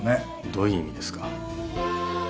どういう意味ですか？